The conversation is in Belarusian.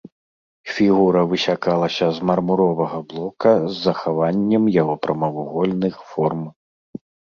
Фігура высякалася з мармуровага блока з захаваннем яго прамавугольных форм.